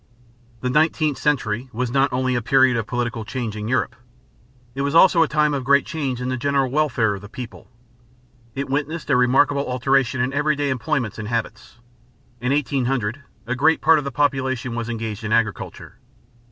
The nineteenth century was not only a period of political change in Europe. It was also a time of great changes in the general welfare of the people. It witnessed a remarkable alteration in everyday employments and habits. In 1800 a great part of the population was engaged in agriculture.